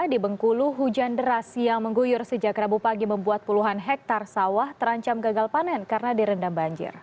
di bengkulu hujan deras yang mengguyur sejak rabu pagi membuat puluhan hektare sawah terancam gagal panen karena direndam banjir